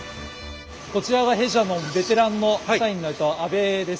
こちらが弊社のベテランの社員の阿部です。